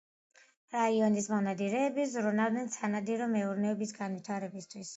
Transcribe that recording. რაიონის მონადირეები ზრუნავდნენ სანადირო მეურნეობის განვითარებისათვის.